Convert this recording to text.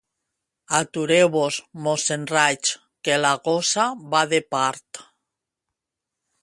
Atureu-vos, mossèn Raig, que la gossa va de part.